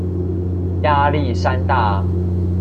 壓力山大